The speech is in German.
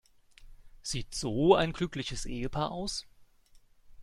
Sieht so ein glückliches Ehepaar aus?